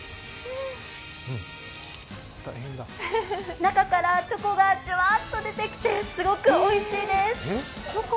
中からチョコがじゅわっと出てきて、すごくおいしいです。